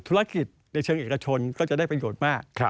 ธุรกิจในเชิงเอกชนก็จะได้ประโยชน์มาก